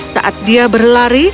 saat dia berlari